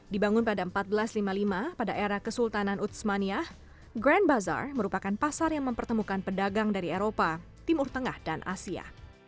dibangun pada seribu empat ratus lima puluh lima pada era kesultanan utsmania grand bazar merupakan pasar yang mempertemukan pedagang dari eropa timur tengah dan asia